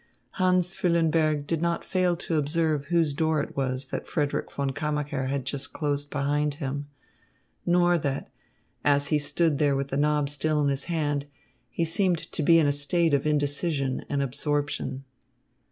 Hans Füllenberg did not fail to observe whose door it was that Frederick von Kammacher had just closed behind him, nor that, as he stood there with the knob still in his hand, he seemed to be in a state of indecision and absorption.